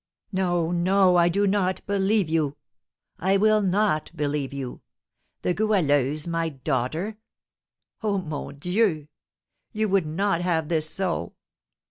"No, no, I do not believe you; I will not believe you! The Goualeuse my daughter! Oh, mon Dieu! You would not have this so!"